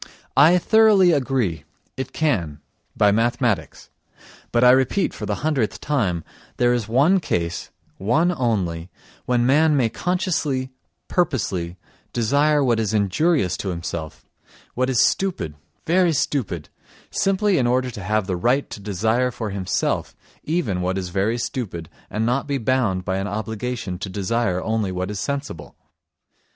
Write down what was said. I thoroughly agree, it can—by mathematics. But I repeat for the hundredth time, there is one case, one only, when man may consciously, purposely, desire what is injurious to himself, what is stupid, very stupid—simply in order to have the right to desire for himself even what is very stupid and not to be bound by an obligation to desire only what is sensible.